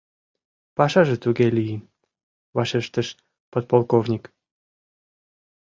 — Пашаже туге лийын, — вашештыш подполковник.